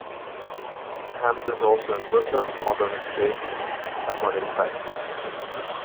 Hamza is also a Muslim, although his faith is somewhat in crisis.